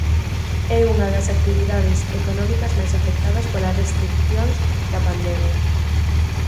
É unha das actividades económicas máis afectadas polas restricións da pandemia.